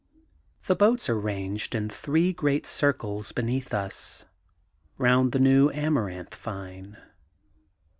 '' The boats are ranged in three great circles beneath us round the new Amaranth Vine.